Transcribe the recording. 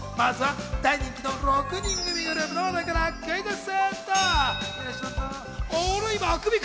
大人気の６人組グループの話題からクイズッス。